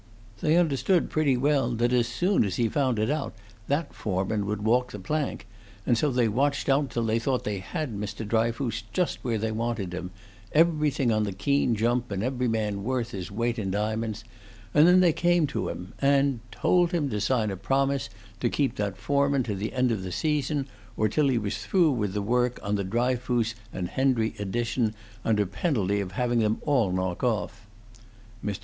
They understood pretty well that as soon as he found it out that foreman would walk the plank, and so they watched out till they thought they had Mr. Dryfoos just where they wanted him everything on the keen jump, and every man worth his weight in diamonds and then they came to him, and told him to sign a promise to keep that foreman to the end of the season, or till he was through with the work on the Dryfoos and Hendry Addition, under penalty of having them all knock off. Mr.